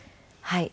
はい。